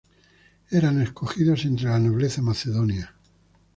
Eran escogidos entre la nobleza macedonia.